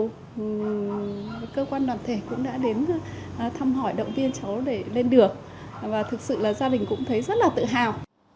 các cơ quan đoàn thể cũng đã đến thăm hỏi động viên cháu để lên được và thực sự là gia đình cũng thấy rất là tự hào